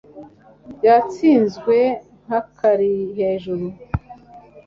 yatsinzwe nka karihejuru